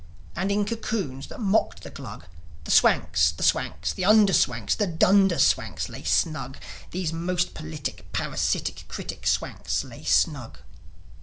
And in cocoons that mocked the Glug The Swanks, the Swanks, the under Swanks, The dunder Swanks lay snug. These most politic, parasitic, Critic Swanks lay snug.